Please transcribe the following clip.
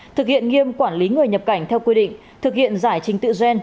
thực hiện nghiêm quản lý người nhập cảnh theo quy định thực hiện giải trình tự gen